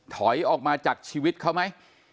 ถอยออกมาจากชีวิตเขาไหม